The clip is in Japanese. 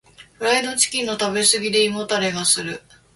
フライドチキンの食べ過ぎで胃もたれがする。